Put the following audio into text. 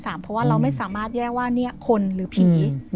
เพราะว่าเราไม่สามารถแยกว่าคนหรือผี